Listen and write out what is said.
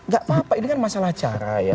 gak apa apa ini kan masalah cara ya